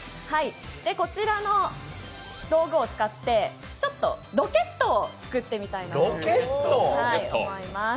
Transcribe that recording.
こちらの道具を使ってロケットを作ってみたいなと思います。